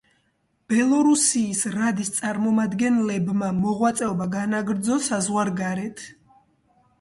ბელორუსიის რადის წარმომადგენლებმა მოღვაწეობა განაგრძო საზღვარგარეთ.